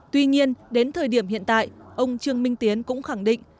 tuy nhiên đến thời điểm hiện tại ông trương minh tiến cũng khẳng định